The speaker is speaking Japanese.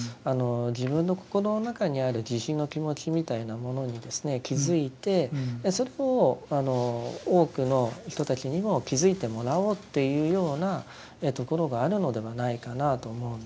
自分の心の中にある慈悲の気持ちみたいなものに気付いてそれを多くの人たちにも気付いてもらおうっていうようなところがあるのではないかなと思うんです。